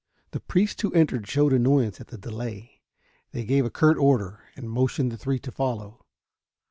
The priests who entered showed annoyance at the delay; they gave a curt order, and motioned the three to follow.